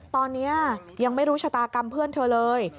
ตอนนี้ยังไม่รู้ชะตากรรมเพื่อนเธอเลย